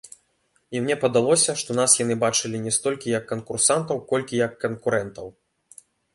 І мне падалося, што нас яны бачылі не столькі як канкурсантаў, колькі як канкурэнтаў.